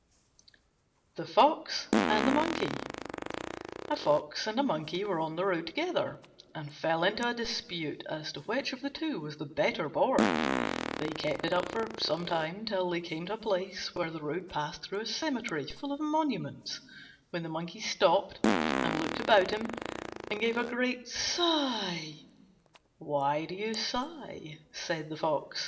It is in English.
THE FOX AND THE MONKEY A Fox and a Monkey were on the road together, and fell into a dispute as to which of the two was the better born. They kept it up for some time, till they came to a place where the road passed through a cemetery full of monuments, when the Monkey stopped and looked about him and gave a great sigh. "Why do you sigh?" said the Fox.